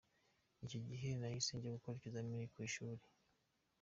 Icyo gihe nahise njya gukora ibizamini ku ishuli.